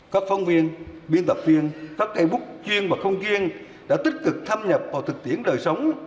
các phong viên biên tập viên các cây bút chuyên và không kiên đã tích cực tham nhập vào thực tiễn đời sống